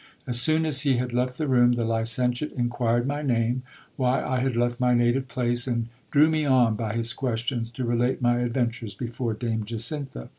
As soon as he had left the room, the licentiate inquired my name, why I had left my native place ; and drew me on by his questions to relate my adventures before Dame Jacintha.